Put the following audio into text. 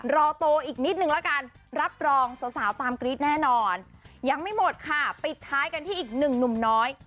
รอโตอีกนิดนึงละกันรับรองสาวตามกรี๊ดแน่นอนยังไม่หมดค่ะปิดท้ายกันที่อีกหนึ่งหนุ่มน้อย